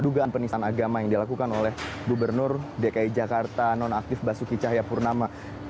dugaan penistaan agama yang dilakukan oleh gubernur dki jakarta nonaktif basuki cahayapurnama